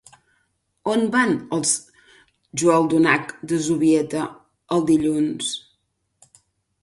On van els Joaldunak de Zubieta, el dilluns?